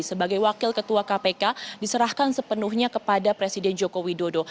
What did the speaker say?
sebagai wakil ketua kpk diserahkan sepenuhnya kepada presiden joko widodo